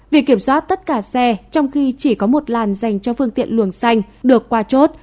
việc kiểm soát tất cả xe trong khi chỉ có một làn dành cho phương tiện luồng xanh được qua chốt